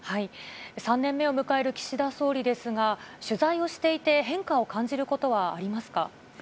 ３年目を迎える岸田総理ですが、取材をしていて変化を感じることはありますか。